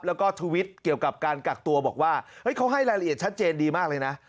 แล้วก็ทวิตเกี่ยวกับการกักตัวบอกว่าเฮ้ยเขาให้รายละเอียดชัดเจนดีมากเลยนะ